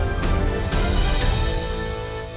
kepala pembangunan indonesia